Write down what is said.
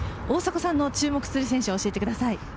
大迫さんの注目する選手を教えてください。